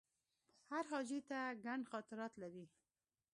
هر حاجي ته ګڼ خاطرات لري.